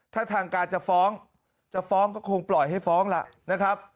ถ้าทางการจะฟ้องจะฟ้องก็คงปล่อยให้ฟ้องล่ะนะครับ